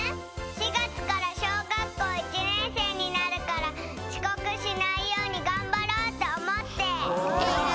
４がつからしょうがっこう１ねんせいになるからちこくしないようにがんばろうとおもって。